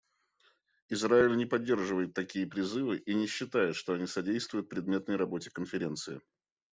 Израиль не поддерживает такие призывы и не считает, что они содействуют предметной работе Конференции.